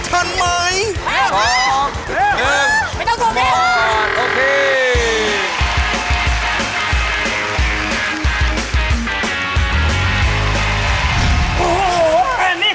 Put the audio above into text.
จะต่อได้ขอทำไมเนี่ย